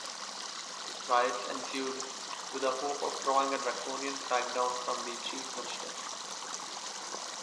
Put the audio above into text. Riots ensued, with the hope of drawing a draconian crackdown from the Chief Minister.